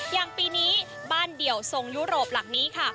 อย่างปีนี้บ้านเดี่ยวทรงยุโรปหลังนี้ค่ะ